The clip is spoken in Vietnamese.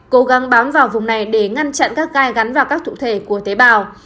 cố gắng bám vào vùng này để ngăn chặn các gai gắn vào các thủ thể của tế bào